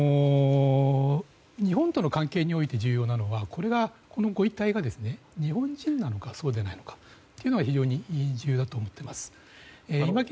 日本との関係において重要なのはこのご遺体が日本人なのかそうでないのかというのが非常に重要だと思っています。